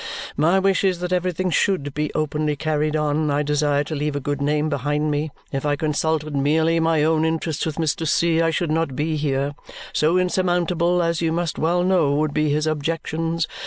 My wish is that everything should be openly carried on. I desire to leave a good name behind me. If I consulted merely my own interests with Mr. C., I should not be here. So insurmountable, as you must well know, would be his objections.